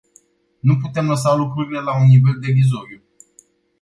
Nu putem lăsa lucrurile la un nivel derizoriu.